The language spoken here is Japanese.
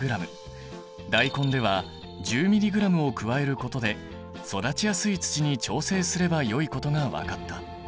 ダイコンでは１０ｍｇを加えることで育ちやすい土に調整すればよいことが分かった。